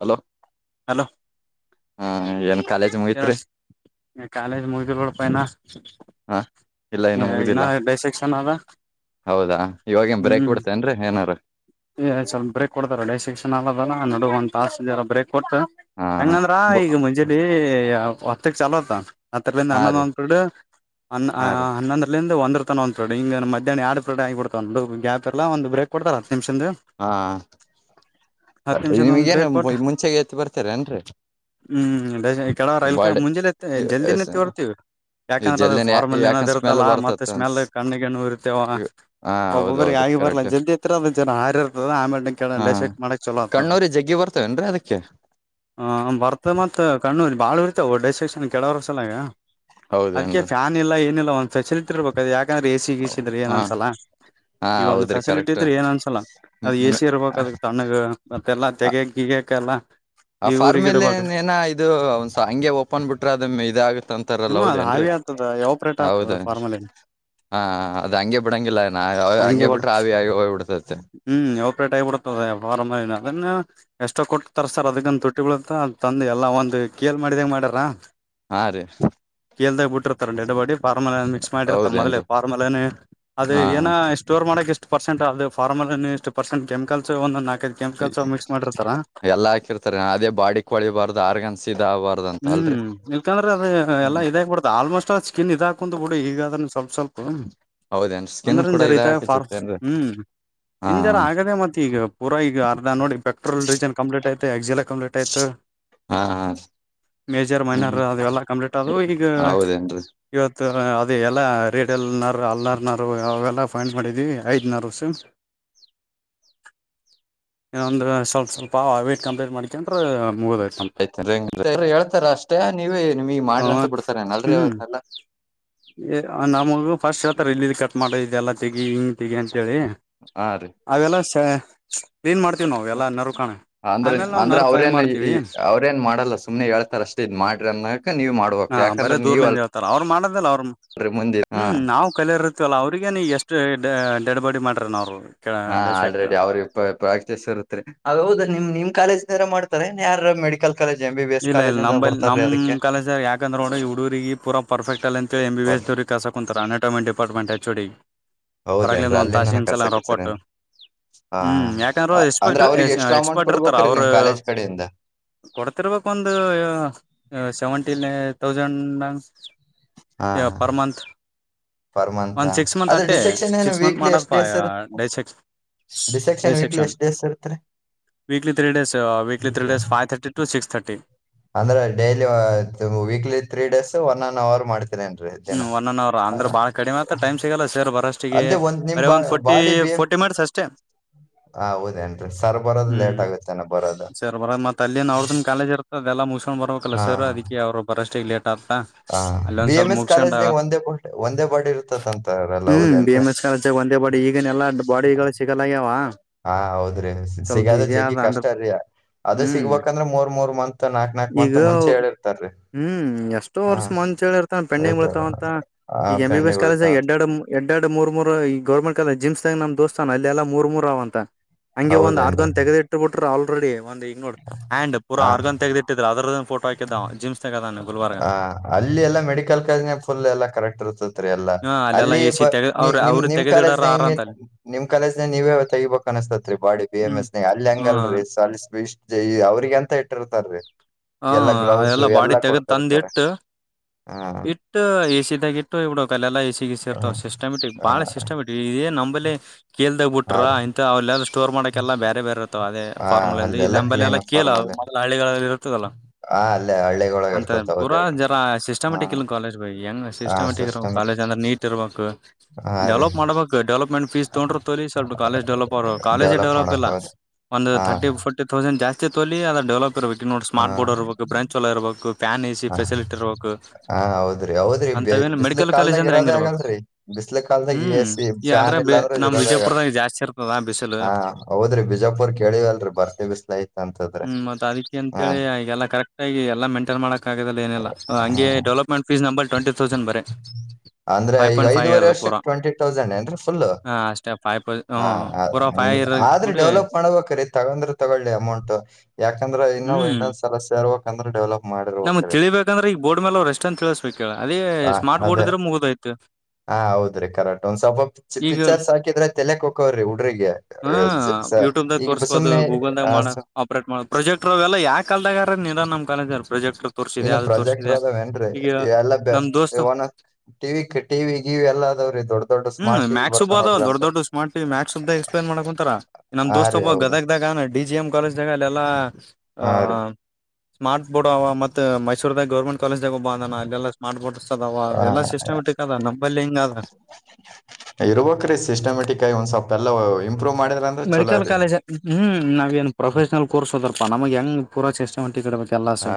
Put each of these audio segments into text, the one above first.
Hello hello ಹ್ಮ ಏನ್. College ಮುಗತ್ರಿ ಕಾಲೇಜ್ ಮುಗಿದಿಲ್ಲ ನೋಡಪ್ಪ ಇನಾ. [inaudible] ಇಲ್ಲ ಇನ್ನುೂ ಮುಗಿದಿಲ್ಲ ಡೈಸೆಕ್ಷನ್ ಅದ ಹೌದಾ ಇವಾಗೇನ್ ಬ್ರೇಕ್ ಬಿಡ್ತೇ ಏನ್ರೀ ಏನಾರೀ. ಸ್ವಲ್ ಬ್ರೇಕ್ ಕೊಡ್ತಾರ ಡ ಸೆಕ್ಷನ್ ಅಲ್ಲ ಅದಲ್ಲ ನಡ ಒ ತಲ್ಲ ಬ್ರಕ್. ಕೊಟ್ಟ ಹಾ ಹೆಂಗಂದ್ರ ಈಗ ಮುಂಜಲಿ ಹತ್ತಕ್ ಚಲೋತ್ತದ. ಹತರಲಿಂದದ ಹಾ ಹನ್ನೊಂದು ರೀ ಒಂದ ಪಿರಡ ಹಾ ರೀ ಹನ್ನೊಂದಲಿಂದದ ಒಂದರ. ಹತ್ತರತನ ಒಂ ಪ್ರಿಡ ಹಿಂಗ ಮಧ್ಯಾಹ್ ಎರಡ ಪ್ರಿಡ ಆಗಿಬಿಡ್ತ ಒಂದು ಗ್ಯಾಪ್ ಇಲ್ಲ ಒಂದು ಬ್ರೇ ಕೊಡ್ತಾರ ಹತ್ತು ನಿಮಿಷದ. [inaudible] [inaudible] ನಿಮಿಷದ ನಿಮಗ ಒಂದು ಏನು ಬ್ರೇಕ್ ಕೊಟ್ಟ ಮುಂಚೆೆಗೆ. [inaudible] ಬರ್ತಾರ ಏನ್ರರಿ. ಹ್ಮ್ ಬೆ ಕೆಳವರ ಇ ಮುಂಜೆತ್ತ ಜಲ್ದಿನೆ ತರುತ್ತೀವಿ. ಈ ಯಾಕಂದ್ರೆ ಅದ್ರ ಜಲ್ದಿನ ಫಾರ್ಮ ಅಲ್ಲಿ ಇನ್ನೋ್ ಯಾಕನ್ ಸ್ಮೆಲ್ ಇರ್ತ್ತಲ್ಲ ಮತ್ತೆ ಬರ್ತತ್ತ ಸ್ಮೆಲ್ ಅನ್ಸ್ ಕಣ್ಣಿಗೆಣ್ಣೂ ಉರಿತ್ಯಾವ. ಹಾ ಒಬ್ಬೊಬ್ಬರಿಗೆ ಹೌದೌದ್ರಿ ಆಗಿ ಬರ್ಲಾ ಕರೆಕ್ಟ್ ಜದಿ ಎತ್ತರ ಅದ್ ಜರ. ಹಾರಿ ಇರ್ತದ ಆಮೇಲೆ ಕ ಹಾ ಡಿಸೆಟ್ ಮಾಡಕ್ ಚಲೋ ಆಗ್ತದ. ಕಣ್ಣೂರಿ ಜಗ್ಗಿ ಬರ್ತವೇನ್ರೀ ಅದಕ್ಕೆ ಹ ಬರ್ತತದ ಮತ ಕಣ್ಣೂರಿ ಬಾಳ ಉರಿಯುತ್ತವೂ ಡೈಸಸ್. ನ ಕೆಳವರೆಸಲ ಅದಕ್ಕೆ ಹೌದೇನ್ರಿ ಫ್ಯಾನ್ ಇಲ್ಲ ಏನಿಲ್ಲ ಒಂದ್ ಫೆಸಿಲಿಟಿ ಇರಬೇಕು. ಯಾಕಂದ್ರೆ ಎಸಿ ಗಿಸಿ ಇದ್ರೆ ಏನ್ ಹಾ ಅನ್ಸಲ್ಲ ಹಾ ಈಗ ಒಂದು ಹೌದ್ರಿ ಫೆಸಿಲಿಟಿ ಕರೆಕ್ಟ್ ಇದ್ರೆ ಏನ್ ಅನ್ಸ. ಅದ ಎಸಿ ಇರ್ಬೇಕಕ್ ಅದ ತಣ್ಣಗ ಮತ್ತೆಲ್ಲ ತೆೆಗೆ ಗಿಗಕ ಎಲ್ಲ. ಆ ಫಾರ್ಮಲೆ ನ್ ಏನ ಇದು ಒ ಹಂಗೆ ಓಪನ್ ಬಿಟ್ರೆ ಅದ ಇದಾಗತ್ ಹ್ಮ ಅಂತಾರಲ್ಲ ಹೌದ. ಹಾವಿ ಆಗ್ತದ ಯಾವ ಪ್ರ್ರೇಟ್ ಆಗ್ತದೆ ಫಾರ್ಮಲ್ಲಿಲ್ಲಿ. ಹಾ ಅದ ಹಂಗೆ ಬಿಡಂಗಿಲ್ಲ ನಾ ಹಂಗೆ ಬಿಟ್ರ ಹಾವಿಯಾಗಿ ಹೋಗಿ ಬಿಡುತೈತಿ. ಹ್ಮ್ ಉಪರೇಟ್ ಆಗಿಬಿಡ್ತದೆ ಫಾರ್ಮರ್ ಅದನ್ನ. ಎಷ್ಟೋ ಕೊಟ್ಟತಾರ ತರಸ್ತರ ಅದಕ್ಕಂತ ತುಟ್ಟಿ ಬಿಳುತ್ತ ತಂದು ಎಲ್ಲ ಒಂದು ಕೇಲ್ ಮಾಡಿದಂಗ ಮಾಡ್ಯಾರ. ಹಾ ರೀ. ಕೀಲ್ದಾಗ್ ಬಿಟ್ಟಿರ್ತಾರೆ ದಡ್ಡ ಬಾಡಿಫಾರ್ಮಲ್ ಮಿಕ್ಸ್ ಮಾಡಿರ್ತ ಮೊದಲೆ ಹೌದೇನ್ರಿ ಫ್ಮಲೆೇ. ಅದು ಹಾ ಏನ ಸ್ಟೋರ್ ಮಾಡಕ್ಷ್ಟು ಪರ್ಸೆಂಟ್ ಅದು ಪಾರ್ಮಲ್ ಇಷ್ಟು ಪರ್ಸೆಂಟ್ ಕೆಮಿಕಲ್ಸ್ ಒಂದಂದು ನಾಕೈದ. ಕೆಮಿಕಲ್ಸ್ ಮಿಕ್ಸ್ ಮಾಡಿರ್ತಾರ. ಎಲ್ಲಾ ಹಾಕಿರ್ತಾರಾ. ತರೆ ಅದೇ ಬಾಡ ಕೊಳಿಬಾರುದ ಆರ್ಗನ್ಸಿ ಇದಬಾರದ. ಹ್ಮ್ ಇಲ್ಕಂದ್ರೆ ಅದ ಎಲ್ಲ ಹ್ಮ್ ಇದಾಗಿಗ್ಬ ಬಿಡತ ಆಲ್ಮೋಸ್ಟ್. ಕಿನ್ ಇದ ಹಾಕೊಂಡ್ ಬಿುಡ ಈಗಾದದ್ರ ಸ್ವಲ್ ಸ್ವಲ್ಪ. ಹೌದೇನ್ರಿ ಸ್ಕಿನ್ ಅಂದ್ರನ್ ಕೂಡ ಜರ ಇತಾಗ ಫಾರ್ ಇದಾಗತೈತೇನ್ರಿ ಹ್ಮ್ ಹಾ ಇನ್ ಜರ ಆಗದೆೇ ಮತ್ತೆ ಈಗ. ಪೂರ ಈಗ ಅರ್ಧ ನೋಡ ಪೆಟ್ರೋಲ್ ಡೀಸಲ್ ಕಂಪ್ಲಟ್ ಆಯಿತು ಎಕ್ಸೆಲ್ ಕಂಪ್ಲೀಟ್ ಆಯಿತು. [inaudible] ಮೇಜರ್ ಮೈನರ್ ಹ್ಮ್ ಅದು ಎಲ್ಲ ಕಂಪ್ಲೀಟ್ ಅದು ಈಗ. ಹೌದೇನ್ರಿ ಇವತ್ತು ಅದು ಎಲ್ಲ ರೀಟಲ್ನರು ಅಲ್ನಾರನಾರು ಅವೆಲ್ಲ ಫೈಂಡ್ ಮಾಡಿದ್ವಿ ಐದನಾರಸು. [inaudible] ಏನ ಅಂದ್ರ ಸ್ವಲ್ಪ ಸ್ವಲ್ ವ್ಟಟ್ ಕಂಪ್ಲೀಟ್ ಮಾಡಿಕೆ ಅಂದೆ ಮುಗದ ಐತ. [unintelligible] ಹೇಳ್ತಾರ ಅಷ್ಟೇ ನೀವೇ ನಿಮ್ಗೆಗ್ ಮಾಡ್ರಿ ಅಂತ ನಮ್ದು ಬಿಡ್ತಾರ ಅಲ್ರಿ ಅವನ್ನಲ್ಲ. ಏ ನಮಗ ಫಸ್ಟ್ ಹತರ ಇಲ್ಲಿಿದ್ದ ಕಟ್ ಮಾಡಲ್ಲ ತೆಗಿ ಹಿಂಗ್ ತೆಗಿ ಅಂತೇಳಿ. ಹಾ ರೀ. ಅವೆಲ್ಲಾ ಸ ಏನ್ ಮಾಡ್ತೀವಿ ನಾವ ಎಲ್ಲಾ ನರ ಕಾಣ ಆಮೇಲೆ ನಾವವು ನರ ಫೈನ್ ಮಾಡ್ತೀವಿ. ನ್ ಮಾಡಲ್ಲ ಸುಮ್ನೆ ಹಳ್ತ ಅಷ್ಟ ಇದ್ ಮಾಡ್ರಿ ಅನ್ನ ನೀವು ಮಾಡ. ಹಾ ಬರ ದೂರ್ನಿಂದ ಹೇಳ್ತಾರ ಅವ್ರು ಮಾಡದಲ್ಲ ಅವ್ರ [unintelligible] ಅಲ್ರಿ ಮುಂದೆ ಹಾ ಹ್ಮ್ ನಾವವು. ಕಲರ್ತ್ತವಲ್ಲ ಅವ್ರಗ ನೀ ಎಷ್ಟು ಡೆಡ್ ಬಾಡಿ ಮಾಡ್ರ ನ ಅವ್ರು. ಹಾ ಡಿಸೆಕ್ಟ್ ಆಲ್ರೆಡಿ ಅವ್ರ. ಪ್ರಾಕ್ಟೀಸ್ ಇರುತ್ರಿ ಅ ಹೌದ ನಿಮ್ ನಿಮ್ ಕಾಲೇಜ್ನಾರ ಮಾಡ್ತಾರೆ ಯಾರ medical. College M B B. S ಇಲ್ಲ ಕಾಲೇಜ್ ಇಲ್ಲ ಅಂತ ನಂಬಲ್ಲಿ ಬರ್ತಾರೀ ನಮ್ಮ ಅದಕ್ಕೆ ಕಾಲೇಜರ್ ಯಾಕಂದ್ರೆ ನೋಡಿ ಹುಡುಗರಿಗೆ ಪೂರ ಪರ್ಫೆಕ್ಟ್ ಅಲ್ಲಾ ಅಂತ ಎಂ ಬಿ ಎಸ್ ದವ್ರ. ಕಸ ಕುಂತರ ಅನಟೋಮೆಂಟ್ ಡಿಪಾರ್ಟ್ಮೆಂಟ್ ಎಚ್ ಡಿ ಹೌದೇನ್ರಿ ಹೊರಲಿಂದ ಒಂದ ಅಲ್ಲಿಂದನ ತಾಸಿನ್ಸಲ ರೊಕಟ್ಟು. ಕರ್ಸಕತ್ತರೇನ್ರಿ ಹಾ ಹ್ಮ್ ಯಾಕಂದ್ರೆ ಅಂದ್ರ ಎಕ್ಸ್ಪೆಕ್ಟ್ರ ಅವ್ರಿಗೆ ಎಕ್ಸ್ಟ್ರಾ ಅಮೌಂಟ್ ಎಕ್ಸ್ಪರ್ಟ್ ಇರ್ತಾರ ಕೊಡ್ಬೇಕ್ರೀ ನಿಮ್ ಅವರು. ಕಾಲೇಜ್ ಕಡೆಯಿಂದ ಕೊಡ್ತಿರ್ಬೇಕ ಒಂದು ಅ ಸೆವೆಂಟಿನ್ ತೌಸಂಡು. ಹಾ ಪರ್ ಮಂತ್. ಪರ್ ಮಂತ ಒಂದ್ ಸಿಕ್ಸ್ ಮಂತ್ ಆದ್ರೆ ಅಟ್ಟೆ ಡಿಸೆಕ್ಷನ್ ಏನು ಸಿಕ್ಸ್ ಮಂತ್ ವೀಕ್ಲಿ ಎಷ್ಟು ಮಾಡದಪಾ ಡೇಸ್ ಇರುತ್ತೆ. ಡೈ ಸೆಕ್ ಡೈ ಡಿಸೆಪ್ಕ್ಷನ್ ವೀಕ್ಲಿ ಸೆಕ್ಷನ್ ಎಷ್ಟ್ ಡೇಸ್ ಇರ್ತ್ರಿ. Weekly three days weekly three days five thirty to six thirty. ಅಂದ್ರೆ daily weekly three days one an hour ಮಾಡ್. ಹ್ಮ್ ಒನ್ ಅನ್ ಅವರ್ ಅಂದ್ರೆ ಬಾಳ ಕಡಿಮೆ ಆತ್ತ ಟೈಮ್ ಸಿಗಲ್ಲ ಸೇರ್ ಬರೋಷ್ಟಿಗೆ ಅದೇ ಒಂದ್ ನಿಮ್ ಅರೆೇ ಒಂದ ಫೋರ್ಟಿ ಫೋಿ. ಿ [unintelligible] ಮಾಡ್ಸ್ ಅಷ್ಟೇ. ಹ ಹೌದೇನ್ರಿ ಸರ್ ಬರೋದು ಲೇಟ್ ಆಗುತ್ತೇನ ಬರೋದು. ಬರದತ್ತ್ತ ಮತ್ತ್ ಅಲ್ಲಿನ್ ಅವ್ರದ ಕಾಲೇಜ ಇರ್ತದೆಲ್ಲ ಮುಗುಸ್ಕೊಂಡ ಬರ್ಬೇಕಲ್ಲ ಹಾ ಸರ್ ಅದಕ್ಕೆ ಅವ್ರು ಬರಷ್ಟ ಈಗ ಲೇಟ್ ಆತಾ. ಹ ಬಿ ಎನ್ ಎಸ್. ಕಾಲೇಜ್ನಾಗ ಒಂದೇ ಬ ಒಂದೇ ಬಾಡ್ ಇರ್ತತ್ಂತಾರಲ್ಲ ಹ್ಮ್ ಬಿ ಹೌದೇನ್ರೀ. ಎಂ ಎಸ್ ತಿಗನ ಯವಾ. ಹ ಹೌದ್ರಿ ಸಿಗದ ಜಗ್ಗಿ ಅಂದ್ರ ಕಷ್ಟರಿ ಅದ ಹ್ಮ್ ಸಿಗ್ಬೇಕಂದ್ರ ಮೂರ್ ಮೂರ್ ಮಂತ್. ನಾಕ್ ನಾಕ್ ಈಗ ಮಂತ್ ಮುಂಚೆ ಹೇಳಿರ್ತಾರೀ. ಹ್ಮ್ ಎಷ್ಟೋ ವರ್ಷ ಮುಂಚೇಳಿ ಇರ್ತವ ಪೆಂಡಿಂಗ್ ಹೇಳ್ತಾರ ಬಿಳ್ತಾವ ಅಂತ ಆ ಈಗ ಎಂ ಬಿ ಪೆಂಡಿ ಎಸ್ ಕಾಲೇಜ ಬೀಳ್ತಾವ ಆಗ ಅಂತ ಎಡ್ಡಾ ಡಂ. ಎಡ್ಡಾಡಿ ಮೂರು ಈ ಗೌರ್ಮೆಂಟ ಕಾಲೆಜ್ ಜಿಮ್ಸ್ ತ ನಮ ದೋಸ್ತಾನ ಅಲ್ಲಿಲ್ಲ ಮೂರ ಅವ ಅಂತ. ಹಂಗೆ ಒಂದ್ ಆರ್ಗನ್ ಹೌದೇನ್ರಿ ತೆಗದಿಟ್ಟ ಬಿಟ್ರೆ ಆಲ್ರೆಡಿ ಒಂದ್ ಈಗ್ ನೋಡ್ ಆ್ಯಂಡ್ ಪೂರ ಹಾ ಆರ್ಗನ್ ತೆಗದಿಟ್ಟ. ಅದ್ರದೆ ಫೋಟೋ ಹಾಕಿದ್ದ ಅವ ಜಿಮಸ್. ಹ ಅಲ್ಲಿ ಎಲ್ಲಾ ಮೆಡಿಕಲ್ ಕಾಲೇಜ್ನ ಫುಲ್ ಎಲ್ಲಾ ಕರೆಕ್ಟ್ ಇರ್ತದೆ. [unintelligible] ಎಲ್ಲ ಹ ಅಲ್ಲೆಲ್ಲಾ ಅಲ್ಲಿ ಎ ಸಿ ತೆಗ ಅವ್ರ ನಿಮ ಅವ್ರ ನಿಮ್ ತೆಗೆದಿಡಾರ ಕಾಲೇಜ್ನ ಆರ ಹಗೆ ಅಂತ ಅಲ್ಲಿ ನಿಮ್ ಕಾಲೇಜ್ನ ನೀವೇ ತೆಗಿಬ. ಕನಸ್ತತ್ರಿ ಬಾಡಿ ಬಿ ಎಮ್ ಹ್ಮ್ ಎಸ್ ಅಲ್ಲಿ ಹ್ಮ ಹೆಂಗಲ್ರಿ ಸಲ್ ಅವ್ರಿಗೆ ಅಂತ ಇಟ್ಟಿರ್ತಾರಿ. ಹ್ಮ ಅದೆಲ್ಲ ಬಾಡಿ ತೆಗದ್ ತಂದ್ ಕೊಡ್ತಿರ್ತಾರೆ ಇಟ್ಟು. ಹಾ ಇಟ್ಟು ಎಸಿದಾಗ ಇಟ್ಟ ಇ ಬಿಡ ಕ ಅಲ್ಲ ಎ ಸಿಿಗೆ ಸೇರ್ತಾವ ಹ ಸಿಸ್ಟಮೆಟಕ್ ಬಾಳ ಸಿಸ್ಟಮೆಟಿಕ್. ಇದೇ ನಂಬಲ್ಲಿ ಕೇಲ್ದಾಗ ಹಾ ಬಿಟ್ರ ರೀ ಇಂಥ [unintelligible] ಸ್ಟೋರ್ ಮಾಡಕೆಲ್ಲ ಬೇರೆ ಬೇರೆ. ಅದೇ ಹಾ ಫಾರ್ಮುಲಂದು ಇಲ್ಲಿ ಅಲ್ಲೆಲ್ಲಾ ನಂಬಲ್ಲಿ ಕ್ಲೀನ್ ಎಲ್ಲ ಕೇಲ ಫಾರ್ಮಲ್ ಮೊದಲ ಹಳ್ಳಿಗಳಲ್ಲಿ ಇರ್ತದಲ್ಲ. ಹಾ ಅಲ್ಲೇ ಹಳ್ಳಿಗಳೊಳಗ ಅಂತ ಇರ್ತತ್ ಪೂರ ಹೌದ್ ಹೇಳ್ರಿ ಜರ ಹಾ ಸಿಸ್ಟಮೆಟಿಕ್ ಇನ್ ಕಾಲೇಜ್ ಬ ಹೆಂಗ್ ಹಾ ಸಿಸ್ಟಮೆಟಿಕ್ ಸಿಸ್ಟಮ್ ಕಾಲೇಜ್ ಅಂದ್ರೆ ನೀಟ್. ತ್ತಿರ್ಬೇಕು ಹಾ ರೀ ಡೆವಲಪ್ ಮಾಡ್ಬೇಕು ಡೆವಲಪ್ಮೆಂಟ್. ಫೀಸ್ ತಗೊಂಡ್ರ ತೋಲಿ ಸ್ವಲ್ಪ ಕಾಲಜ್ ಡೆವಲಪ್ ಅವ್ರು ಕಾಲೇಜೇ ಡೆವಲಪ್ ಮಾಡಕ್ ಇಲ್ಲ ಹೋದ್ ಒಂದು ಹಾ ತರ್ಟಿ ಫೋಿ. ತೌಸಂಡ ಜಾಸ್ತಿ ತೋಲಿ ಅದು ಡೆವಲಪ್ ಇರ್ಬೇಕ ನೋ ಹಾ ಸ್ಮಾರ್ ಬೋರ್ಡ್ ಇರ್ಬೇಕ ಬ್ರಾಂಚ್ ಎಲ್ಲ ಇಬೇಕು. ಫ್ಯಾನ್ ಈಸಿ ಹಾ ಫೆಸಿಲಿಟಿ ಇರ್ಬೇಕು ಹಾ ಹೌದ್ರಿ ಹೌದ್ರಿ ಬಿ ಅಂತವೆನು ಬಿಸ್ಲ ಮೆಡಿಕಲ್ ಕಾಲೇಜ್ ಕಾಲ್ದಾಗ ಅಂದ್ರೆ ಹೆಂಗ ಇರೋದೇ ಇರ್ಬೇಕು. ಆಗಲ್ರಿ ಬಿಸ್ಲ ಕಾಲ್ದಾಗ ಎ ಹ್ಮ್ ಸಿ ಯ ಫ್ಯಾನ್ ಆದ್ರೆ ಇಲ್ಲ ಅಂದ್ರೆ ನಮ ಇರೋದೇ ಆಗಲ್ಲ ವಿಜಯಪುರದಾಗ ಜಾಸ್ತಿ ಇರ್ತದ ಬಿಸಿಲು. ಹಾ ಹೌದ್ರಿ ಬಿಜಾಪುರ್ ಕೇಳಿವಲ್ರಿ ಬರ್ತಿ ಬಿಸ್ಲೈತ್. ಹ್ಮ್ ಮತ್ ಅದಕ್ಕೆ ಅಂತೇಳಿ ಈಗೆಲ್ಲ ಕರೆಕ್ಟ್ ಆಗಿ ಎಲ್ಲ ಮೇಂಟೈನ್ ಮಾಡಕ್. [unintelligible] ಏನಿಲ್ಲ ಹಾ ಹಂಗೆ ಡೆವಲಪ್ಮೆಂಟ್ ಫೀಸ್ ನಂಬ ಟ್ವೆಂಟಿ ತೌಸಂಡ್ ಬರೆ. ಅಂದ್ರೆ ಫೈವ್ ಈಗ ಪಾಯಿಂಟ್ ಫೈವ್ ಐದುವರೆ ಇರದ ವರ್ಷಕ್ ಪೂರಾ ಟ್ವೆಂಟಿ ತೌಸಂಡ್ ಅಂದ್ರೆ ಫುಲ್ಲು. ಹಾ ಅಷ್ಟೇ ಫೈವ್ ಪ ಹ ಹಾ ಪೂರ ಫೈವ್ ಹಾಂದ ಇರ ಆದ್ರೆ ಕೂಡಿ ಡೆವಲಪ್ ಮಾಡ್ಬೇಕರೀ. ತಗೊಂಡ್ರೆ ತಗೊಳ್ಳಿ ಅಮೌಂಟ್ ಯಾಕಂದ್ರೆ ಇನ್ನ ಇನ್ನೊಂದ್ಸಲ ಸೇರ್ಬೇಕಂದ್ರೆ ಡೆವಲಪ್. ನಮಗ್ ಮಾಡಿರ್ಬೇಕ್ರಿ ತಿಳಿಬೇಕಂದ್ರೆ ಈಗ ಬೋರ್ಡ್ ಮೇಲೆ ಅವ ರೆಸ್ಟ್ ಅಂತ್ ತಿಳಸ್ಬೇಬೇಕು ಅದೇ ಆ, ಸ್ಮಾಟ್ ಬೋರ್ಡ್ ಅದೇ ಇದ್ರೆ ಮುಗ್ಧಯಿತು ಹಾ ಹೌದ್ರಿ ಕರೆಕ್ಟ್ ಒಂದ್ ಸ್ವಲ್ಪ ಈಗ ಪಿಕ್ಚರ್ಸ್ ಹಾಕಿದ್ರೆ ತೆಲೆಕ್ ಹಕವ್ರಿ ಹುಡ್ರಿಗೆ ಹಾ ಆ, ಜ- ಸ- ಯೂಟ್ಯೂಬ್್ದಾಗ ಈಗ ಬ- ತೋರ್ಸ್ಬೋದು ಸುಮ್ನೆ ಗೂಗಲ್ದಾಗ ಆ, ಮಾಡ್ ಸು- ಅಪ್ ಪ್ರಜೆಕ್ಟ್ರ್ ಎಲ್ಲ ಯಾ ಕಾಲದಾಗ ನ್ ಕಾಲ ಪ್ರಜೆಕ್ಟ್ ತೋರ್ಸಿದೆ ಇನ್ನು ಅದು ಪ್ರೊಜೆಕ್ಟರ್ ತೋರ್ಸಿದೆ ಅದಾವೇನ್ರಿ ಈಗ ಎಲ್ಲ ಬೆ- ನಮ ದೋಸ್ತು ಒನ್ ಟಿವಿ ಟಿವಿ ಗಿವಿ ಎಲ್ಲ ಅದಾವ್ರಿ ದೊಡ್ಡ ದೊಡ್ಡ ಹ್ಮ್ ಸ್ಮಾರ್ಟ್ ಟಿವಿ ಮ್ಯಾಕ್ಸ್ಬ ಬರ್ತಾವ ಅದ ನೋಡ್ರಿ ದೊಡ್ಡ ಅಂತ ದೊಡ್ಡ ಸ್ಮಾರ್ಟ್ ಟಿವಿ ಮ್ಯಾಕ್ಸ್್ದ ಎಕ್ಸ್ಪ್ಲೇನ್ ಮಾಡಕೊಂತಾರ ನಮ್ ಹಾ ರೀ ದಸ್ತೊಬ್ಬ ಹೌದು ಗದಗದಾಗ ಅವ್ನೆ ಡಿ ಜಿ ಮ್ ಕಾಲೇಜ್ಾಗ ಅಲ್ಲೆಲ್ಲಾ ಹಾ ರೀ ಸ್ಮಾರ್ಟ್ ಬೋರ್ಡ್ ಅವ ಮ ಮೈಸೂರ್ದಾಗ ಗೌರ್ಮೆಂಟ್ ಕಾಲೇಜ್ದಾಗೋಬ ಅದನ ಅಲೆಲ್ಲಾ ಸ್ಮಾರ್ಟ್ ಬೋರ್ಡ್ಸ್ ಅದಾವ ಹಾ ಎಲ್ಲ ಸಿಸ್ಟಮ್ಯಾಟಿಕ್ ಅದ ನಂಬಲ್ ಹಿಂಗ ಅದ ಇರ್ಬೇಕ್ರೀ ಸಿಸ್ಟಮೆಟಿಕ್ಗ ಒಂದ್ ಸ್ವಲ್ಪ ಎಲ್ಲ ಇಂಪ್ರೂವ್ ಮಾಡಿದ್ರ ಅಂದ್ರ ಚಲೋ ಮೆಡಿಕಲ್ ರೀ ಕಾಲೇಜ್ ಹ್ಮ್ ನಾವ ಏನ್ ಪ್ರೊಫೆಷನಲ್ ಕೋರ್ಸ್ ಹೋದ್ರಪ್ಪಾ ನಮ್ ಹೆಂಗ ಪೂರಾ ಚೆಷ್ಟೆ ಮಟ್ಟಿಡಬೇಕ ಎಲ್ಲಾ ಆ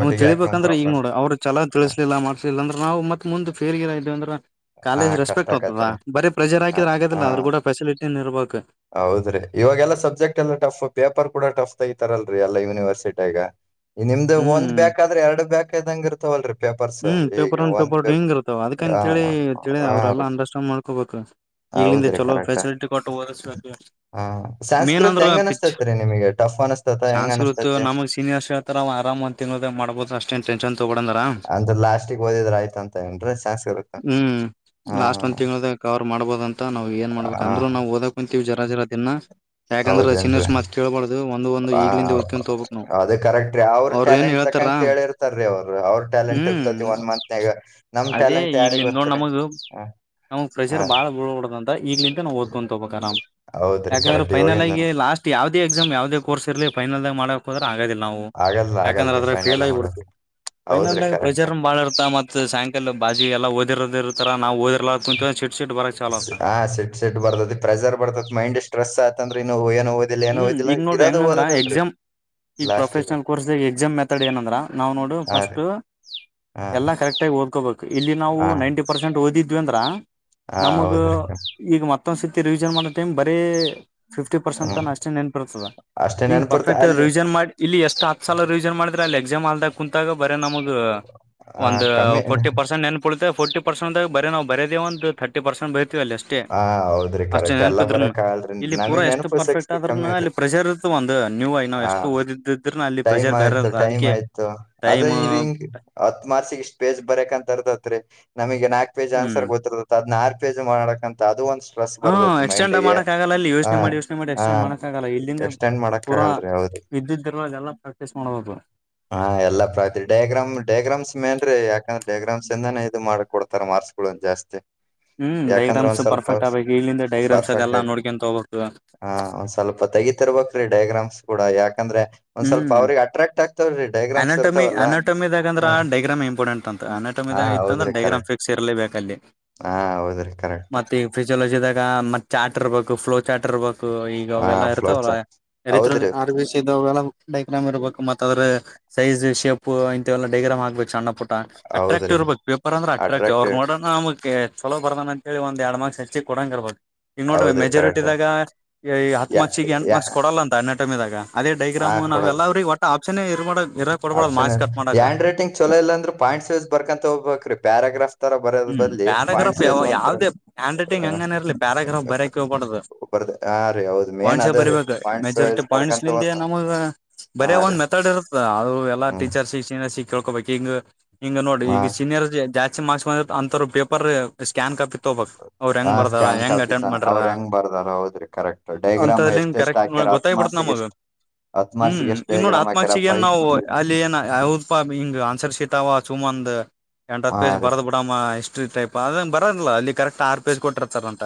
ನಮ ಯಾಕಂದ್ ತಿಳಿಬೇಕಂದ್ರೆ ಈಗ ಫಸ್ಟ್ ನೋಡ ಅವ್ರ ಚಲ ತಿಳಿಸ್ಲಿಲ್ಲ ಮಾಡ್ಲಿಲ್ಲ ಅಂದ್ರೆ ನಾವು ಮತ್ಂದ್ ಫರ್ಗಿಾ ಇದ್ದೇವಂದ್ರ ಆ ಕಾಲೇಜ್ ಕಷ್ಟ ರೆಸ್ಪೆಕ್ಟ್ ಅ್ತದ ಆಕತ್ರಿ ಬರಿ ಪ್ರೆಜಾರ್ ಆ ಅಕಿದ್ರ ಆ, ಆಗದಿಲ್ಲ ಅವ್ರ್ ಕೂಡ ಫೆಸಿಲಿಟಿನ್ ಇರ್ಬೇಕು ಹೌದ್ರಿ ಇವಾಗೆಲ್ಲಾ ಸಬ್ಜೆಕ್ಟ್ ಎಲ್ಲ ಟಫ್ ಪೇಪರ್ ಕೂಡ ಟಫ್ ತಐತಾರಲ್ರರಿ ಎಲ್ಲ ಯೂನಿವರ್ಸಿಟಿಗ ನಿಮ್ದು ಒಂದ್ ಹ್ಮ್ ಬೇಕಾದ್ರೆ ಎರಡು ಬೇಕ ಇದ್ದಂಗಿರ್ತ್ತ ಹ್ಮ್ ಪೇಪರ್ ಒಂದ ಪೇಪರ್ ಡು ಹಿಂಗ್ ಇರ್ತಾವ ಅದಕಂತೇಳಿ ತಿಳ ಅವ್ರೆಲ್ಲಾ ಅಂಡರ್ಸ್ಟಾಂಡ್ ಮಾಡ್ಕೋಬೇಕು ಇಗ್ಲಿಂದ ಹೌದ್ರಿ ಚಲೋ ಕರೆಕ್ಟ್ ಫ್ಯಾಸಿಲಿಟಿ ಕೊಟ್ಟು ಒದ್ದ್ಸ್ಬೇಕು ಹಾ ಮೇನ್ ಸಂಸ್ಕೃತ್ ಅಂದ್ರ ಹೆಂಗ ಪಿಕ್ಚ್ ಅನಸ್ತತ್ರಿ ನಿಮಗೆ ಟಫ್ ಅನಸ್ತತ ಹೆಂಗ ಸಾಸ್ಕೃತ ಅನಸ್ತತಿ ನಮಗ್ ಸೀನಿಯರ್ಸ್ ತ್ರ ಆರಾಮ ಒಂದ ತಿಂಗಳದೇ ಮಾಡಬೋಬುಹುದ್ ಅಷ್ಟೊಂದು ಟೆಂಕ್ಷನ್ ತಗೋಡಂದ್ರ ಅಂದ್ರ ಲಾಸ್ಟ ಓದಿದ್ರ ಆಯ್ತ ಅಂತ ಏನ್ರೀ ಚಾಸ್ರು ಹ್ಮ್ ಲಾಸ್ಟ್ ಒಂದ್ ತಿಂಗಳ ಕವರ್ ಮಾಡಬೋಹುದು ಅ ನಾವು ಏನ್ ಮಾಡ್ಬೇಕ ಹಾ ಅಂದ್ರು ನಾವು ಓದಕ್ ಂತೀವಿ ಜರಾಜರ ಅದನ್ನ ಯಾಕಂದ್ರೆ ಹೌದೇನ್ರಿ ಸೀನಿಯರ್ಸ್ ಮತ್ ಕೇಳಬಾರ್ದ ಅದು ಒಂದು ಒಂದು ಆ ಈಗ್ಲಿಂದ ಹ್ಕಂತ ಹೋಗಬಕ್ ನಾವು ಅದ ಅವ್ರ ಏನ್ ಹೇಳ್ತಾರ ತಾರೀ ಅವ್ರು ಅವ್ರ ಟ್ಯಾಲೆಂಟ್ ಹ್ಮ್ ಇರ್ತತಿ ಒನ್ ಮಂತ್ನ್ಗ ನಮ್ ಟ್ಯಾಲೆಂಟ್ ಯಾರಿಗ್ ಗೊತ್ದ್ ನಮ್ ಪ್ರೆಜಾರ್ ಬಾಳ ಬಳ [unintelligible] ಈಗ್ಲಿಂತ ನಾವು ಓದ್ಕೊಂಡು ಹೋಗಬೇಕ ನಾವು ಹೌದ್ರಿ ಯಾಕೆಂದ್ರೆ ಕರೆಕ್ಟ್ ಫೈನಲ್ ಆಗಿ ಇವಾಗಿಂದನು ಲಾಸ್ಟ್ ಯಾವದೇ ಎಕ್ಸ್ ಯಾವ್ದದ ಕೋರ್ಸ್ ಇರ್ಲಿ ಫೈನಲಿಗಿ ಮಾಡಕ್ ೋದ್ರ ಆಗೋದಿಲ್ಲ ನಾವು ಆಗಲ್ಲ ಯಾಕಂದ್ರೆ ಆಗಲ್ರಿ ಅದ್ರ ಫೇಲ್ ಫೈನಲ್ ಮಾಡಕ್ ಆಗಿಬಡ್ತವಿ ಫೈನಲ್ ಹೌದ್ರಿ ಗಿ ಕರೆಕ್ಟ್ ಬಾಳ ಇರ್ತತ್ ಮತ್ ಸಾಯಂಕಾಲ ಬಾಜಿ ಎಲ್ಲ ಓದಿರ್ದಿರ್ತಾರ ನಾವು ಓದಿರ್ಂತ ಕುಂತ್ ಚಿಟ್ ಹ ಸಿಟ್ ಸಿಟ್ ಬರ್ತತಿ ಪ್ರೆಜರ್ ಬರ್ತತ್ ಮೈಂಡ್ ಸ್ಟ್ರೆಸ್ ಆತಂದ್ರೆ ಇನ್ನು ಏನೋ ಹ್ಮ್ ಇದಲ್ಲಿಏನುದಿಲ್ಲ ಈಗ ನೋಡು ಇರೋದ ಹೆಂಗಂದ್ರ ಓದೋದಲ್ರರಿ ಎಕ್ಸಾಮ್ ಈಗ ಲಾಸ್ಟಿಗೆ ಪ್ರೊಫೆಷನಲ್ ಕೋರ್ಸ್ ಎಕ್ಸಾಮ್ ಮೆತಡ್ ಏನಂದ್ರ ನಾವ್ ನೋಡು ಹಾ ರೀ ಫಸ್ಟ್ ಹಾ ಎಲ್ಲಾ ಕರೆಕ್ಟಗಿ ಓದ್ಕೋಬೇಕು ಇಲ್ಲಿ ನಾವು ಹಾ ನೈಂಟಿ ಪರ್ಸೆಂಟ್ ಓದಿದ್ವಿ ಅಂದ್ರ ಹಾ ನಮಗ ಹೌದ್ರಿ ಈಗ ಮತ್ತೊಂದ್ ಸತಿ ರಿವಿಜನ್ ಮಾಡೋ ಟೈಮ್ ಬರೀ ಫಿಫ್ಟಿ ಪರ್ಸೆಂಟ್ ಹ್ಮ್ ಅಷ್ಟೇ ನೆನಪ್ ಇರ್ತದ ಅಷ್ಟೇ ಹಿಂಗ ನೆನಪಿರ್ತ ಪರ್ಫೆಕ್ ಅಲ್ಲಿ ರಿವಿಜನ್ ಮಾಡಿ ಇಲ್ಲಿ ಎಷ್ಟು ಹತ್ ಸಲ ರಿವಿಜನ್ ಮಾಡಿದ್ರ ಅಲ್ಲಿ ಎಕ್ಸಾಮ್ ಅಲ್ದಾಗ ಕುಂತಾಗ ಬರೇ ನಮದು ಆ ಒಂದು ಕಮ್ಮಿ ಪೊರ್ಟಿಪರ್ಸೆಂಟ್ ನೆನಪ್ ಪುಳಿತೆ ಪೊರ್ಟಿರ್ಸೆಂಟ್ ಬರಿನಾ ಬರೀ ಒಂದು ತರ್ಟಿ ಪರ್ಸೆಟ್ ಬ ತ್ತ್ ಅಲ್ಲಿ ಅಷ್ಟೇ ಹಾ ಹೌದ್ರಿ ಅಷ್ಟ ಕರೆಕ್ಟ್ ಎಲ್ಲಾ ನೆನಪಿದ್ರನ್ ಬರಕ್ ಆಗಲ್ರಿ ಇಲ್ಲಿ ಪೂರಾ ನಮಗ್ ಎಷ್ಟು ನೆನಪು ಪರ್ಫೆಕ್ಟ್ ಶಕ್ತಿ ಆದ್ರೂನು ಕಮ್ಮಿ ರೀ ಅಲ್ಲಿ ಪ್ರೆಷರ್ ಇರುತ ಒಂದು ನೀವು ನೋ ಹಾ ಎಷ್ಟು ಓದಿದ್ದಿದ್ರ ಅಲ್ಲಿ ಪ್ರೆಜರ್ ಬೇರೆ ಇತ್ತ ಅದಕ್ಕೆ ಅದ ಟೈಮ್ ಇದಿಗ್ ಹತ್ ಮಾರ್ಸಸ್ಗೆ ಇಷ್ಟ ಪೇಜ್ ಬರಕ್ ಅಂತ ಇರ್ದತ್ರಿ ನಮಗೆ ನಾಕ್ ಪೇಜ್ ಹ್ಮ್ ಆನ್ಸರ್ ಗತ್ತರ್ದ ಅದ್ನ ಆರು ಪೇಜ್ ಮಾಡಕಂತ ಅದು ಒಂದ್ಸ ಹಾ ಎಕ್ಸ್ಟೆಂಡ್ ಮಾಡಕ್ ಆಗಲ್ಲ ಅಲ್ಲಿ ಯೋಚನೆ ಮಾಡಿ ಯೋಚನೆ ಮಾಡಿ ಹ ಎಕ್ಸ್ಟೆಂಡ್ ಮಾಡಕ್ ಆಗಲ್ಲ ಇಲ್ಲಿಂದ ಎಕ್ಸ್ಟೆಂಡ್ ಮಾಡಕ್ ಪೂರಾ ಆಗಲ್ರಿ ಹೌದು ಇದ್ದಿದೆಲ್ಲ ಎಲ್ಲಾ ಪ್ರಾಕ್ಟೀಸ್ ಮಾಡ್ಬೇಕು ಹಾ ಎಲ್ಲ ಪ್ರಾತಿ ಡಯಾಗ್ರಾಮ್ ಡಯಾಗ್ರಾಮ್ಸ್ ಮೇನ್ರೀ ಯಾಕಂದ್ರೆ ಡೈಗ್ರಾಮ್ಸ ಇಂದಾನೇ ಇದು ಮಾಡ್ಕೊಡ್ತಾರೆ ಮಾರ್ಸ್ ಗುಳ ಜಾಸ್ತಿ. ಹ್ಮ ಯಾಕಂದ್ರೆ ಒಂದ್ ಡಯಾಗ್ರಾಮ್ಸ ಸ್ವಲ್ಪ ಪರ್ಫೆಕ್ಟ ಆಗ್ಬೇಕು ಇಲ್ಲಿಂದ ಡಯಾಗ್ರಾಮ್ಸ ಅದೆಲ್ಲ ನೋಡ್ಕೊಂತ ಹೋಗಬೇಕು. ಹಾ ಒಂದ್ ಸ್ವಲ್ಪ ತೆಗಿತಿರ್ಬೇಕ್ ಡಯಾಗ್ರಾಮ್ಸ ಕೂಡ ಯಾಕಂದ್ರೆ ಒಂದ್ ಸ್ವಲ್ಪ ಅವ್ರಿಗೆ ಅಟ್ರ್ಯಾಕ್ಟ ಆಗ್ತವ್ರೀ. ಅನೋಟಮಿ ಅನೋಟಮಿದಾಗ ಅಂದ್ರ ಡಯಾಗ್ರಾಮ್ ಇಂಪಾರ್ಟೆಂಟ್ ಅಂತ ಅನೊಟಮಿ ಹಾ ಇತ್ತುಂದ್ರ ಹೌದ್ರಿ ಕರೆಕ್ಟ್ ಡಯಾಗ್ರಾಮ್ ಫಿಕ್ ಸ್ ಇರ್ಲೇಬೇಕಲ್ಲಿ. ಹಾ ಹೌದ್ರೀ ಕರೆ. ಮತ್ತೆ ಈ ಫಿಸಿಯೋಲಜಿದಾಗ ಮತ್ ಚಾಟ್ರ ಇರ್ಬೇಕು ಫ್ಲೋ ಚಾಟ್ ಇರ್ಬೇಕು ಈ ಇವಾಗ್ ಹಾ ಅವೆಲ್ಲಾ ಫ್ಲೋಚ ಇರ್ತಾವಲ್ಲ? ಹೌದ್ರಿ [unintelligible] ಇದು [unintelligible] ಡಯಾಗ್ರಾಮ್ ಇರಬೇಕ್ ಮತ್ ಅದ್ರ ಸೈಜ್ ಶೇಪ್ ಇಂತಥವೆಲ್ಲ ಡಯಾಗ್ರಾಮ್ ಹಾಕ್ಬೇಕು ಸಣ್ಣ ಪು ಟ್ಟ ಅಟ್ರಾಟಿವ್ ಹೌದ್ರಿ ಇರ್ಬೇಕು ಪೇಪರ್ ಅಂದ್ರ ಅಟ್ರಾಕ್ಟಿವ್ ಅವರ್ ನೋಡಣ [unintelligible] ಚಲೋ ಬರ್ದಾನ ಅಂತ ಹೇಳಿ ಒಂದ ಎರಡ್ ಮಾರ್ಕ್ ಹೆಚ್ ಕೊಡಂಗ ಇರ್ಬೇಕು ಈ ನೋಡ್ರಿ ಹೌದ್ರಿ ಕರೆಕ್ಟ್ ಮೆಜೋರಿಟಿದಾಗ ಈ ಹತ್ತು ಯ ಮಾರ್ಕ್ಸ ಗ ಎಂಟು ಯ ಮಾರ್ಕ್ಸ ಕೊಡಲ್ಲ ಅಂತ [unintelligible] [unintelligible] ಅದೇ ಹಾ ಡಯಾಗ್ರಾಮ್ ಕೊಡಲ್ ನಾವೆಲ್ಲ ಅವರ್ಗ್ ಒಟ್ಟ ಆಪ್ಷನ್ ನೇ ಇರ್ಬಾರ್ದು ಆಪ್ಷನ್ ಹ್ಯಾಂಡ್ ರೈಟಿಂಗ್ ಚಲೋ ಇಲ್ಲ ಅಂದ್ರೆ ಪಾಯಿಂಟ್ಸ ವೈಸ್ ಬರ್ಕಂತ ಹೋಗ್ಬೇಕ್ರೀ ಪ್ಯಾರಾಗ್ರಾಫ್ ತರ ಬರೋದ್ ಹ್ಮ ಬದ್ಲಿ ಪ್ಯಾರಾಗ್ರಾಫ್ ಪಾಯಿಂಟ್ಸ್ ಯಾವ ವೈಸ್ ಒಂತರ ಯಾವ್ದೇ ಹ್ಯಾಂಡ್ ರೈಟಿಂಗ್ ಹಂಗನ ಇರಲಿ ಪ್ಯಾರಾಗ್ರಫ್ ಬರ್ಯಕೆ ಹೋಗ್ಬಾಡ್ದು. ಬರ್ದ ಹಾ ರೀ ಹೌದ್ ಮೇನ್ ಪಾಯಿಂಟ್ಸ ಏ ಅದ ರೀ ಬರಿಬೇಕ ಪಾಯಿಂಟ್ಸ್ ಮೆಜಾರಿಟಿ ವೈಸ್ ಪಾಯಿಂಟ್ಸ ಬರ್ಕಂತ ನಿಂದ ಹೋತ ನಮಗ ಹಾ ಬರಯೋ ರೀ ಒಂದ್ ಮೆತಡ್ ಇರುತ್ [unintelligible] ಅದು ಎಲ್ಲ ಹ್ಮ್ ಟೀಚರ್ಸ್ಗ ಸೀನಿಯರ್ಸ್ ಗೆ ಕೇಳ್ಕೋಬೇಕ ಈಗ ಹಿಂಗ ನೋಡ ಹ ಈಗ ಸೀನಿಯರ್ಸ್ ಜಾಸ್ತಿ ಮಾರ್ಕ್ಸ ಬಂದ್ ಅಂತರು ಪೇಪರ್ ಸ್ಕ್ಯಾನ್ ಕಾಪಿ ತೊಬೊಕ್. ಹ ಸ್ಕ್ಯಾನ್ ಕಾಪಿತಾ ಅವ್ರ ಹೆಂಗ್ ಬರ್ದಾರೊ ಓದ್ರಿ ಕರೆಕ್ಟ ಡಯಾಗ್ರಾಮ್ ಅಂತದ್ಲಿನ್ ಎಷ್ಟ ಎಷ್ಟ ಕರೆಕ್ಟ್ ಹಾಕ್ಯರ ಹಾ ಹತ್ ಮಾರ್ಸಿಗೆ ಎಷ್ಟ? ಹ್ಮ ಈಗ ನೋಡ ಹತ್ ಮಾರ್ಸಿಗ್ ಏನ್ ಫೈವ್ ನಾವು ಮಾರ್ಸಿಗೆ ಅಲ್ಲಿ ಏನ್ [unintelligible] ಹಿಂಗ ಆನ್ಸರ್ ಶೀಟ್ ಅವ ಸುಮಂದ ಎಂಟ್ ಹತ್ ಹಾ ಪೇಜ್ ರೀ ಬರದ್ ಬಿಟ್ [unintelligible] ಹಿಸ್ಟ್ರಿ ಟೈಪ್ ಅದಂಗ ಬರಲ್ಲ ಅಲ್ಲಿ ಕರೆಕ್ಟ ಆರ್ ಪೇಜ್ ಕೊಟ್ಟಿರ್ತಾರ್ ಅಂತ.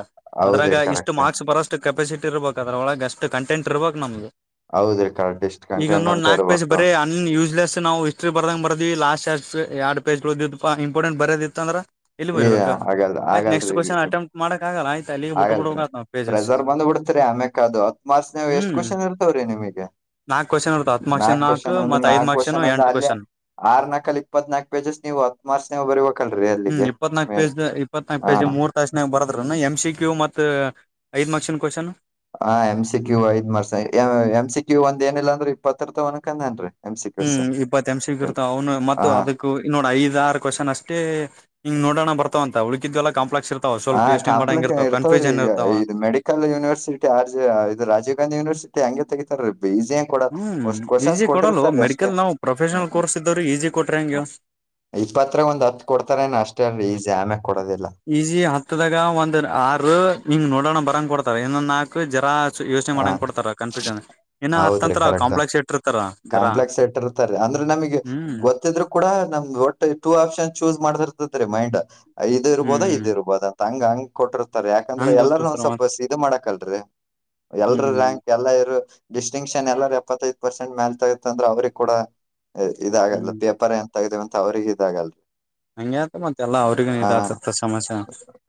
ಅದ್ರಾಗ ಹೌದ್ರಿ ಇಷ್ಟು ಕರೆಕ್ಟ್ ಮಾರ್ಕ್ಸ ಬರೋಷ್ಟು ಕೆಪಾಸಿಟಿ ಇರ್ಬೇಕು ಅದ್ರೊಳಗೆ ಅಷ್ಟು ಕಂಟೆಂಟ್ ಇರ್ಬೇಕು ನಮ್ಗೆ. ಹೌದು [unintelligible] ಕರೆಕ್ಟ ಇಷ್ಟ ಕಂಟೆಂಟ್ ಅಂತ ಇರ್ಬೇಕು. ಹ್ಮ ಯೂಸ್ಲೆಸ್ ನಾವು ಹಿಸ್ಟ್ರಿ ಬರ್ದಂಗ ಬರ್ದ್ವಿ ಲಾಸ್ಟ ಎರ್ಡ್ ಪೇ ಎರಡ್ ಪೇಜ್ಗಳು [unintelligible] ಇಂಪಾರ್ಟೆಂಟ್ ಬರ್ಯೋದಿತ್ ಅಂದ್ರ ಇಲ್ಲಿ ಏ ಬರಿಬೇಕ ಆಗಲ್ ಆಯ್ತ ನೆಕ್ಸ್ಟ ಆಗಲ್ರಿ ಕ್ವಶನ್ ಅಟಂಪ್ ಮಾಡಕ್ ಆಗಲ್ಲ ಆಯ್ತ ಅಲ್ಲಿಗೆ ಬಿಟ್ಟು ಬಿಡುಬೇಕಾಗುತ್ ನಾವು. ಪ್ರೆಜರ್ ಬಂದ್ ಬಿಡ್ತರಿ ಆಮೆಕ್ ಅದು ಹತ್ ಮಾರ್ಸನವು ಎಷ್ಟ ಹ್ಮ್ ಕ್ವಶನ್ ಇರ್ತವ್ರೀ ನಿಮಗೆ? ನಾಕ್ ಕ್ವಶನ್ ಇರ್ತಾವ ಹತ್ ಮಾರ್ಕ್ಸ್ ನಾಕ್ ನಾಲ್ಕು ಕ್ವಶನ್ ಅಂದ್ರೆ ಮತ್ ಐದ್ ನಾಲ್ಕು ಮಾರ್ಕ್ಸ್ ಕ್ವಶನ್ ಅಂದ್ರೆ ಎಂಟ್ ಅಲ್ಲೇ ಕ್ವಶನ್ ಆರ್ ನಾಕಲ್ಲಿ ಇಪ್ಪತ್ನಾಕು ಪೇಜಸ್ ನೀವು ಹತ್ಮಾರ್ಸ್ನವ್ ನೀವು ಬರಿಬೇಕಲ್ರಿ ಹ್ಮ್ ಅಲ್ಲಿಗೆ? ಇಪ್ಪತ್ನಾಕ್ ಮೇನ್ ಪೇಜ್ ಇಪ್ಪತ್ನಾಲ್ಕು ಹ ಪೇಜ ಮೂರು ತಾಸ್ನಾಗ ಬರದ್ರುನು ಎಂ ಸಿ ಕ್ಯೂ ಮತ್ತು ಐದು ಮಾರ್ಕ್ಸಿನ್ ಕ್ವಶನ್? ಹ ಎಂ ಸಿ ಕ್ಯ ಐದ್ ಮಾರ್ಕ್ಸ ಎಂ ಸಿ ಕ್ಯೂ ಒಂದ್ ಏನಿಲ್ಲ ಅಂದ್ರ ಇಪ್ಪತ್ತರ ತ ಒನ್ಕಂದೇನ್ ರೀ. ಹ್ಮ ಇಪ್ಪತ್ ಎಂ ಸಿ ಕ್ಯೂ ಇರ್ತವ್ ಅವ್ನು ಮತ್ ಹ ಅದಕ್ ಕ್ಕು ನೋಡ ಐದ್ ಆರು ಕ್ವಶನ್ ಅಷ್ಟೇ ಹಿಂಗ್ ನೋಡಣ ಬರ್ತವ ಅಂತ ಉಳಕಿದ್ ಎಲ್ಲ ಕಾಂಪ್ಲೆಕ್ಸ ಹ ಕಾಂಪ್ಲೆಕ್ಸ ಇರ್ತವ್ರಿ ಇದ medical university R J ಇದು ರಾಜೀವ್ ಗಾಂಧಿ ಯೂನಿವರ್ಸಟಿ ಹಂಗೆ ತಗಿತಾರೆ ಬೆಸಿ ಕೂಡ ಹ್ಮ್ ವಷ್ಟ ಈಸಿ ಕ್ವಶನ್ಸ ಕೊಡಲ್ಲ ಕೊಟ್ಟಿರ್ತಾರೆ ಮೆಡಿಕಲ್ ಅಷ್ಟೇ ನಾವು ಹ ಪ್ರೊಫೆಷನಲ್ ಕೋರ್ಸ್ ಇದ್ದವ್ರು ಈಸಿ ಕೊಟ್ರೆ ಹೆಂಗೆ ಹ ಇಪ್ಪತ್ರ ಒಂದ ಹತ್ ಕೊಡ್ತಾರೇನ್ ಅಷ್ಟೇ ಅಲ್ರಿ ಈಜಿ ಆಮ್ಯಾಗ್ ಕೊಡೋದಿಲ್ಲ. ಈಜಿ ಹತ್ತದಾಗ ಒಂದ್ ಆರು ನಿಂಗ್ ನೋಡೋಣ ಬರಂಗ್ ಕೊಡ್ತಾರೆ ಇನ್ನೊಂದ್ ನಾಲ್ಕು ಜರಾ ಸ ಯೋಚನೆ ಹ ಮಾಡಂಗ್ ಕೊಡ್ತಾರ ಕನ್ಫ್ಯೂಷನ್ ಇನ ಹೌದ್ರಿ ಹತಂತರ ಕರೆಕ್ಟ್ ಕಾಂಪ್ಲೆಕ್ಸ ಇಟ್ಟಿರ್ತಾರ ಜರಾ ಕಾಂಪ್ಲೆಕ್ಸ್ [unintelligible] ಅಂದ್ರೆ ನಮಗೆ ಗೊತ್ತಿದ್ರು ಕೂಡ ನಮ್ದ ಒಟ್ಟ ಟೂ ಆಪ್ಷನ್ ಚೂಸ್ ಮಾಡತಿರ್ತತಿ ಮೈಂಡ್ ಇದು ಇರ್ಬೋದ ಹ್ಮ್ ಇದು ಇರ್ಬೋದ? ಹಂಗ್ ಹಂಗ್ ಕೊಟ್ಟಿರ್ತಾರೆ ಯಾಕಂದ್ರೆ ಹಂಗ್ ಎಲ್ಲರನು ಗೊತ್ತತರ ಮತ್ ಸ್ವಲ್ಪ ಇದು ಮಾಡಾಕಲ್ರಿ. ಎಲ್ರು ಹ್ಮ್ ರ‍್ಯಾಂಕ್ ಎಲ್ಲ ಇರು ಡಿಸ್ಟಿಂಕ್ಷನ್ ಎಲ್ಲಾರು ಎಪ್ಪತ್ತೈದ ಪರ್ಸೆಂಟ್ ಮೇಲ್ ತೆಗಿತ್ ಅಂದ್ರೆ ಅವ್ರಿಗ್ ಕೂಡ ಇದಾಗಲ್ಲ ಹ್ಮ್ ಪೇಪರ್ ಎಂತ ತಗ್ದವಂತ ಅವ್ರಿಗೆ ಇದಾಗಲ್ ಹಂಗೆ ಆತ ಮತ್ತ ಎಲ್ಲಾ ಅವ್ರಿಗ ಇದ ಆತ್ ಸಮಸ್ಯೆ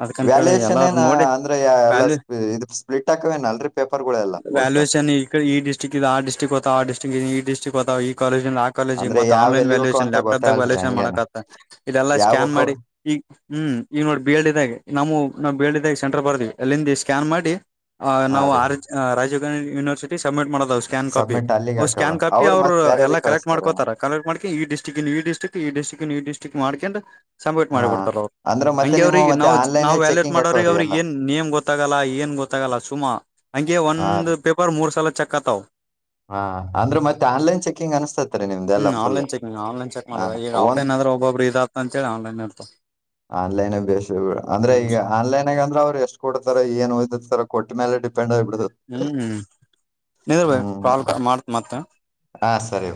ಅದ್ಕಂತೇಳಿ ವ್ಯಾಲ್ಯೂಯೇಷನ್ ಎಲ್ಲರು ಏನ ನೋಡಿ ಅಂದ್ರೆ ಯಾ- ಎಲ್ಲ ವ್ಯಾಲ್ಯೂ ಸ್ಪ- ಇದು ಸ್ಪ್ಲಿಟ್ ಹಾಕವೇನ ಅಲ್ರರಿ ಪೇಪರ್ ಗಳೆಲ್ಲಾ ವಾಲಯೇಷನ್ ಈಕಡ ಈ ಡಿಸ್ಟಿಕ್ ಇದ ಆ ಡಿಸ್ಟಿಕ್ ಹೋತಾವ್ ಆ ಡಿಸ್ಟಿಕ್ ಇಂದ ಈ ಡಿಸ್ಟ್ರಿಕ್ಟ್ ಗೆ ಬರ್ತಾವ್ ಈ ಕಾಲೆಜ್ ಯಿಂದ ಕಾಲಜಿ ಅಂದ್ರೆ ಮತ್ತು ಯಾವ ಆನ್ಲೈನ್ ಎಲ್ಲಿಗೆ ಹೋಗವ ವ್ಯಾಲ್ಯೂಯೇಷನ್ ಅಂತ ಲಾಪ್ ಟಾಪ್ ದಾಗ ಗೊತ್ತಾಗಲ್ರಿ ವ್ಯಾಲ್ಯೂಯೇಷನ್ ಹಂಗೇನ ಮಾಡಕ ಆತದ ಇದೆಲ್ಲಾ ಯಾವ ಸ್ಕ್ಯಾನ್ ಹೋಗವ ಮಾಡಿ ಈಗ ಹ್ಮ್ಂ ಈಗ ನೋಡಿ ಬಿ ಎಲ್ ಡಿ ದಾಗ ನಾವು ನಾವು ಬಿ ಎಲ್ ಡಿ ದಾಗೆ ಸೆಂಟರ್ ಬರ್ದ್ವಿ ಅಲ್ಲಿಂದ ಸ್ಕ್ಯಾನ್ ಮಾಡಿ ಆ ಹಾ ನಾವು ರೀ ಆ ರಾಜೀವ್ ಗಾಂಧಿ ಯೂನಿವರ್ಸಿಟಿ ಸಬ್ಮಿಟ್ ಮಾಡೋದವು ಸ್ಕ್ಯಾನ್ ಕಾಫಿ ಸಬ್ಮಿಟ್ ಅಲ್ಲಿಗೆ ಅವ್ ಹಾಕವ್ರ ಸ್ಕ್ಯಾನ್ ಕಾಪಿ ಅವ್ರು ಅವ್ರ ಮತ್ತೆ ಎಲ್ಲಾ ಬೇರೆಯವ್ರಿಗೆ ಕಲೆಕ್ಟ್ ಕಳಿಸ್ತಾರ ಮಾಡ್ಕತಾರ ಕಲೆಕ್ಟ ಮಾಡಕೋಡ ಈ ಡಿಸ್ಟಿಕಿಂದ್ ಈ ಡಿಸ್ಟಿಕ್ಟಿಂದ ಈ ಡಿಸ್ಟಿಕದ ಈ ಡಿಸ್ಟಕಂದ್ ಮಾಡ್ಕೊಂಡ ಸಂಪೇಟ್ ಹಾ ಮಾಡಿಬಿಡ್ತಾರ ಅವ್ರು ಅಂದ್ರ ಮತ್ತೆ ಹಂಗೆ ನಿಮ್ಮ ಅವ್ರಗೆ ಮತ್ತೆ ನಾವ್ ಆನ್ಲೈನ್ ನಾವ್ ವ್ಯಾಲೆಟ್ ಚೆಕಿಂಗ್ ಮಾಡೋರಿಗೆ ಹಾಕವ್ರಿ ಅವ್ರಿಗೆ ಎಲ್ಲ ಏನ್ ನೇಮ್ ಗೊತ್ತಾಗಲ್ಲಾ ಏನ್ ಗೊತ್ತಾಗಲ್ಲಾ ಸುಮನ್ ಹಂಗೆ ಹಾ ರೀ. ಒಂದು ಪೇಪರ್ ಮೂರು ಸಲೇ ಚೆಕ್ ಆತಾವ ಹಾ ಅಂದ್ರೆ ಮತ್ತೆ ಆನ್ಲೈನ್ ಚೆಕಿಂಗ್ ಅನ್ಸ್ತತ್ರಿ ನಿಮ್ದಲ್ಲಾ ಹ್ಮ್ ಫುಲ್ ಆನ್ಲೈನ್ ಹ ಒಂದ ಫೀಸ್ ಅಂತೇಳಿ ಆನ್ಲೈನ್ ಆನ್ಲೈನ್ ಬೇಸ್ ಬಿಡ ಅಂದ್ರೆ ಈಗ ಹ್ಮ್ ಆನ್ಲೈನ್ ಆಗಂದ್ರ ಅವ್ರು ಎಷ್ಟು ಕೊಡ್ತಾರೆ ಏನ್ ಓದತರ ಕೊಟ್ಟ ಮೇಲೆ ಡಿಪೆಂಡ್ ಆಗ್ಬಿಟ್ಟೈತೆ ಹ್ಮ್ ನಿಲ್ ಬೈ ಕಾಲ್ ಮಾಡ್ತ್ ಮತ್ತ್ ಹಾ ಸರಿ